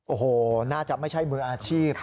โอ้โหน่าจะไม่ใช่มืออาชีพ